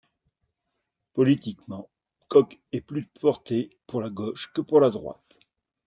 Politiquement, Kok était plus porté pour la gauche que pour la droite.